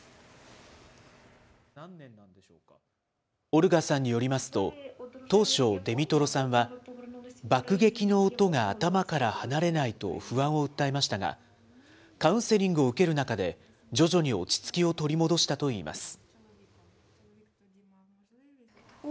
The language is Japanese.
オルガさんによりますと、当初、デミトロさんは、爆撃の音が頭から離れないと不安を訴えましたが、カウンセリングを受ける中で、徐々に落ち着きを取り戻したといいます。